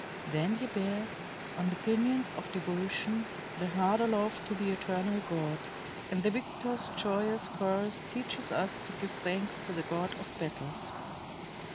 Then ye bear, on the pinions of devotion, the heart aloft to the eternal God, and the victors' joyous chorus teaches us to give thanks to the God of Battles."